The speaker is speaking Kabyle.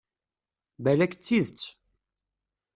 Balak d tidet.